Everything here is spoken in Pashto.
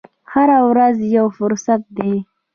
هره ورځ یو فرصت دی.